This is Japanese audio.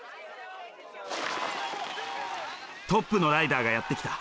トップのライダーがやって来た。